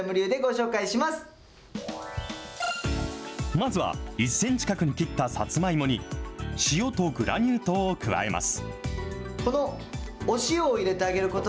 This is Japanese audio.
まずは１センチ角に切ったさつまいもに、塩とグラニュー糖を加えます。